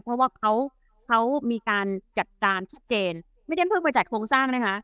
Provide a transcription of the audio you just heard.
เพราะว่าเขาเขามีการจัดการชัดเจนไม่ได้เพิ่งไปจัดโครงสร้างนะคะ